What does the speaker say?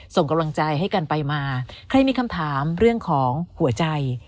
ส่งกำลังใจให้กันไปมาใครมีคำถามเรื่องของหัวใจ